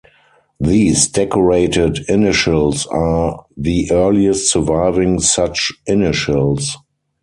These decorated initials are the earliest surviving such initials.